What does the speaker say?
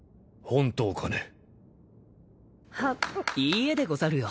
いいえでござるよ。